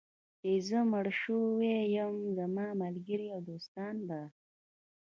چې زه مړ شوی یم، زما ملګري او دوستان به.